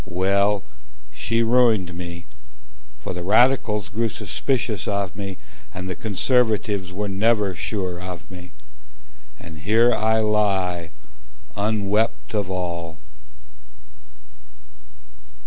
Well, she ruined me: For the radicals grew suspicious of me, And the conservatives were never sure of me— And here I lie, unwept of all.